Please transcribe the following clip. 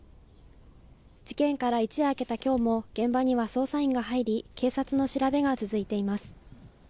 事件から一夜明けたきょうも、現場には捜査員が入り、警察の調べが続いています。